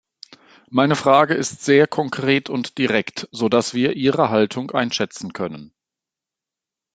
Meine Frage ist sehr konkret und direkt, sodass wir Ihre Haltung einschätzen können.